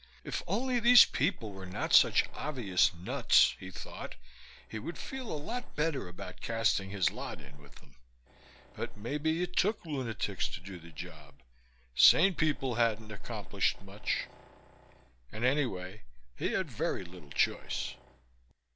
If only these people were not such obvious nuts, he thought, he would feel a lot better about casting his lot in with them. But maybe it took lunatics to do the job. Sane people hadn't accomplished much. And anyway he had very little choice....